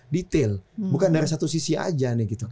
detail bukan dari satu sisi aja nih gitu